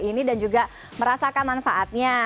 ini dan juga merasakan manfaatnya